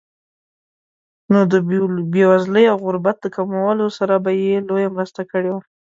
نو د بېوزلۍ او غربت د کمولو سره به یې لویه مرسته کړې وي.